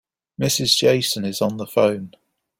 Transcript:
Mrs. Jason is on the phone.